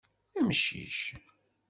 Amcic!